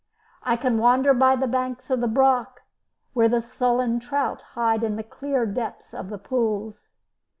I can wander by the banks of the Brock, where the sullen trout hide in the clear depths of the pools.